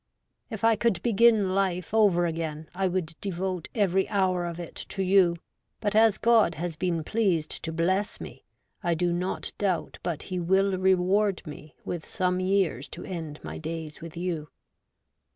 ... If I could begin life over SOME OLD TIME TERMAGAXTS. 83 again, I would devote every hour of it to you , but as God has been pleased to bless me, I do not doubt but he will reward me with some years to end my days with you.''